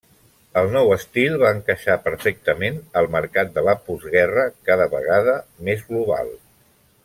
El nou estil va encaixar perfectament al mercat de la postguerra cada vegada més global.